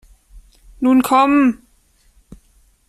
Nun komm!